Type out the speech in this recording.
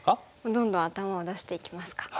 どんどん頭を出していきますか。